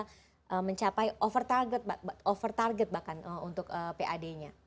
bisa mencapai over target bahkan untuk pad nya